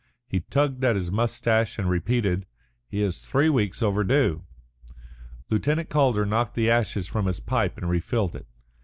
He tugged at his moustache and repeated, "He is three weeks overdue." Lieutenant Calder knocked the ashes from his pipe and refilled it.